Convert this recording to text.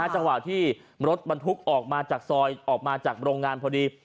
จังหวะที่รถบรรทุกออกมาจากซอยออกมาจากโรงงานพอดี